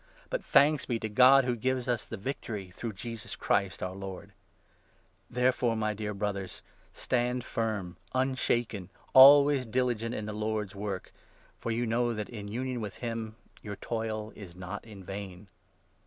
But thanks be to God, who gives us the 57 victory, through Jesus Christ, our Lord. Therefore, 58 my dear Brothers, stand firm, unshaken, always diligent in the Lord's work, for you know that, in union with him, your toil is not in vain.